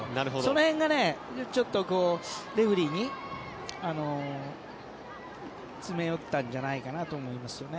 その辺がちょっとレフェリーに詰め寄ったんじゃないかなと思いますよね。